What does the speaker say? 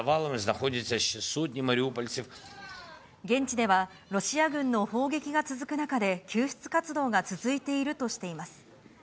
現地では、ロシア軍の砲撃が続く中で救出活動が続いているとしています。